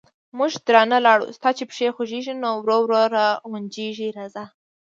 موږ درنه لاړو، ستا چې پښې خوګېږي، نو ورو ورو را غونجېږه راځه...